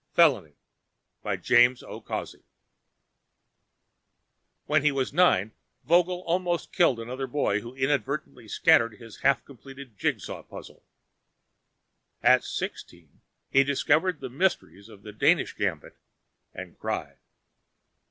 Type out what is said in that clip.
_When he was nine, Vogel almost killed another boy who inadvertently scattered his half completed jigsaw puzzle. At sixteen, he discovered the mysteries of the Danish Gambit, and cried.